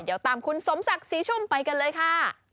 เดี๋ยวตามคุณสมศักดิ์ศรีชุ่มไปกันเลยค่ะ